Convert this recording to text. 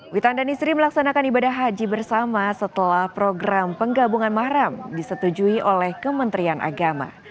witan dan istri melaksanakan ibadah haji bersama setelah program penggabungan maharam disetujui oleh kementerian agama